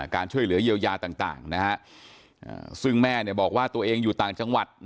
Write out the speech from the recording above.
ช่วยเหลือเยียวยาต่างซึ่งแม่บอกว่าตัวเองอยู่ต่างจังหวัด